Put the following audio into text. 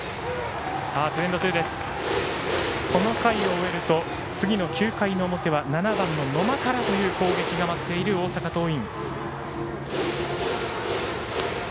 この回を終えると次の９回の表は７番の野間からという攻撃が待っている大阪桐蔭。